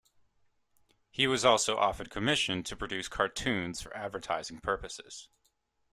He was also often commissioned to produce cartoons for advertising purposes.